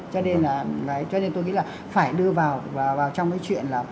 cho nên là phải đưa vào trong cái chuyện là